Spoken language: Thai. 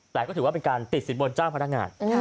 แต่ก็ถือว่าเป็นการติดสินบนเจ้าพนักงาน